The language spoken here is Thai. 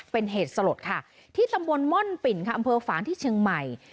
เป็นเหตุสลดค่ะที่ตำบลม่อนปิ่นค่ะอำเภอฝางที่เชียงใหม่